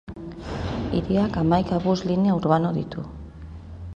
Hiriak hamaika bus-linea urbano ditu.